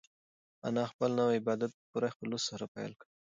انا خپل نوی عبادت په پوره خلوص سره پیل کړ.